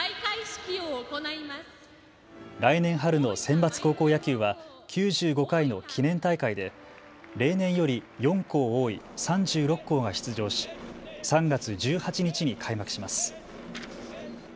来年春のセンバツ高校野球は９５回の記念大会で例年より４校多い、３６校が出場し３月１８日に開幕します。